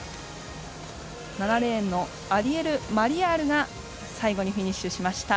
７レーンのアリエル・マリヤールが最後にフィニッシュしました。